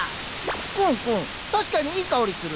クンクン確かにいい香りする。